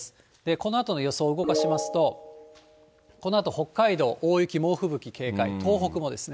このあとの予想を動かしますと、このあと北海道、大雪、猛吹雪警戒、東北もですね。